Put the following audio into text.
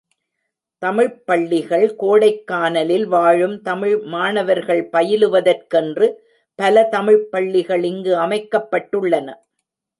தமிழ்ப் பள்ளிகள் கோடைக்கானலில் வாழும் தமிழ் மாணவர்கள் பயிலுவதற்கென்று பல தமிழ்ப் பள்ளிகள் இங்கு அமைக்கப்பட்டுள்ளன.